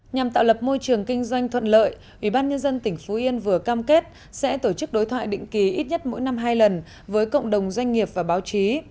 nhằm tạo lập môi trường kinh doanh thuận lợi ubnd tỉnh phú yên vừa cam kết sẽ tổ chức đối thoại định ký ít nhất mỗi năm hai lần với cộng đồng doanh nghiệp và báo chí